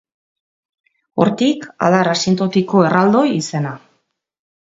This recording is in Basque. Hortik adar asintotiko erraldoi izena.